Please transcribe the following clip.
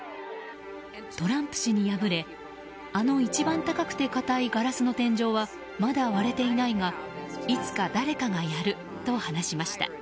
トランプ氏に敗れあの一番高くて硬いガラスの天井はまだ割れていないがいつか誰かがやると話しました。